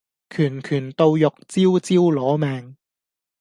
拳拳到肉，招招攞命